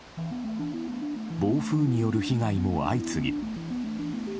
暴風による被害も相次ぎ。